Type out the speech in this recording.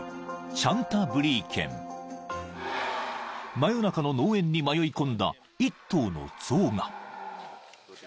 ［真夜中の農園に迷いこんだ一頭の象が］